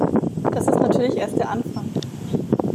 Das ist natürlich erst der Anfang.